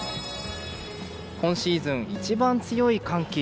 今シーズン一番強い寒気。